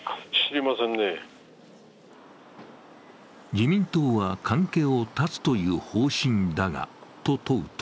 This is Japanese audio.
自民党は関係を断つという方針だがと問うと